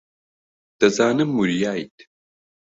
دەزانم وریایت.